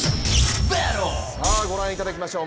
ご覧いただきましょう。